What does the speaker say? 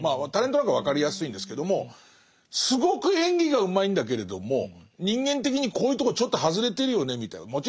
タレントなんか分かりやすいんですけどもすごく演技がうまいんだけれども人間的にこういうとこちょっと外れてるよねみたいなの。